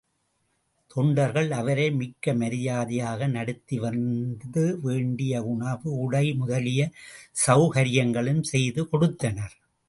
தொண்டர்கள் அவரை மிக்க மரியாதையாக நடத்திவந்து வேண்டிய உணவு, உடை முதலிய சௌகரியங்களும் செய்து கொடுத்தனர்.